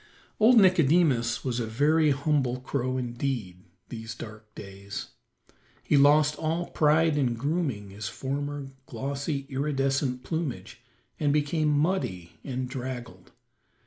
Old Nicodemus was a very humble crow indeed these dark days. He lost all pride in grooming his former glossy, iridescent plumage, and became muddy and draggled.